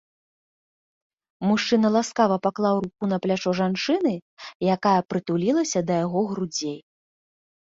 Мужчына ласкава паклаў руку на плячо жанчыны, якая прытулілася да яго грудзей.